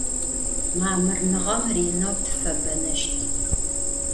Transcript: Mamırnığem rêneu tıfebeneşt.